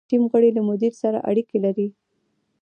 د ټیم غړي له مدیر سره اړیکې لري.